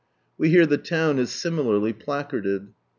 We hear the town is similarly placarded.